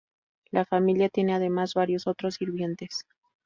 La familia tiene además varios otros sirvientes.